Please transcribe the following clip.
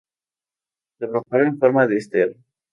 Se propaga en forma de estera.